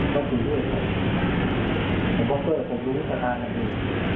ต้องคุยด้วยเพราะว่าเฟอร์ผมรู้สถานการณ์ดี